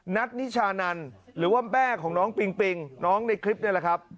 นัทนิชานันหรือว่าแม่ของน้องปิงปิงน้องในคลิปนี่แหละครับ